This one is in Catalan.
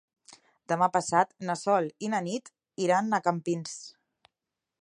Demà passat na Sol i na Nit iran a Campins.